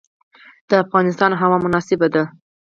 د افغانستان هوا مناسبه ده.